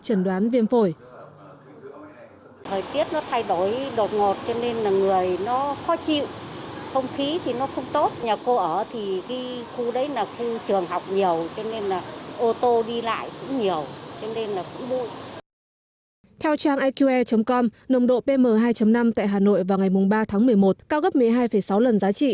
theo trang iqe com nồng độ pm hai năm tại hà nội vào ngày ba tháng một mươi một cao gấp một mươi hai sáu lần giá trị